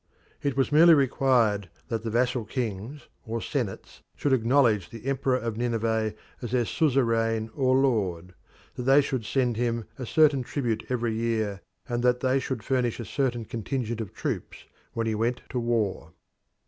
It was merely required that the vassal kings or senates should acknowledge the Emperor of Nineveh as their suzerain or lord, that they should send him a certain tribute every year, and that they should furnish a certain contingent of troops when he went to war.